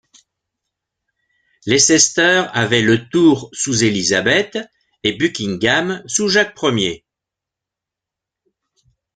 Leicester avait le tour sous Élisabeth, et Buckingham sous Jacques Ier.